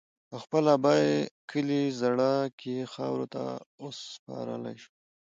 او خپل ابائي کلي زَړَه کښې خاورو ته اوسپارلے شو